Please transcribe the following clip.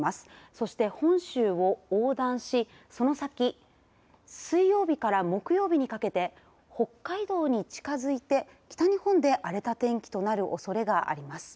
そして、本州を横断しその先水曜日から木曜日にかけて北海道に近づいて北日本で荒れた天気となるおそれがあります。